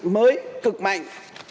mới cực mạnh